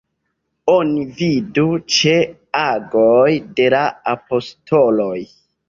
Oni vidu ĉe Agoj de la Apostoloj.